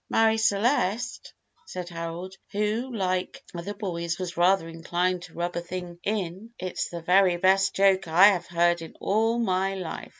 "Marie Celeste," said Harold, who, like other boys, was rather inclined to rub a thing in, "it's the very best joke I have heard in all my life."